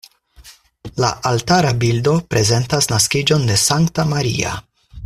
La altara bildo prezentas naskiĝon de Sankta Maria.